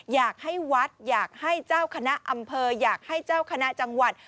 อยากให้วัดอยากให้เจ้าคณะอำเภออยากให้เจ้าคณะจังหวัด